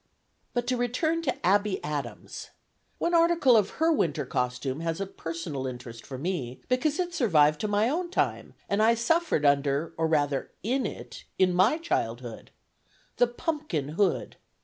But to return to Abby Adams. One article of her winter costume has a personal interest for me, because it survived to my own time, and I suffered under, or rather in it, in my childhood. The pumpkin hood!